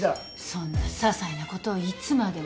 そんなささいなことをいつまでも。